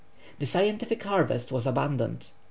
The scientific harvest was abundant.